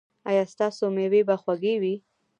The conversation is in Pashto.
ایا ستاسو میوې به خوږې وي؟